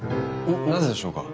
ななぜでしょうか？